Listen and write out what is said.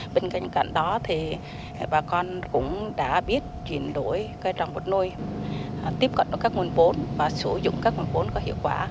bên cạnh đó thì bà con cũng đã biết chuyển đổi cây trồng vật nuôi tiếp cận được các nguồn vốn và sử dụng các nguồn vốn có hiệu quả